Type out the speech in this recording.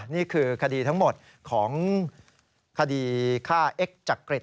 นี่คือคดีทั้งหมดของคดีฆ่าเอ็กซจักริต